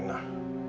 oh real pak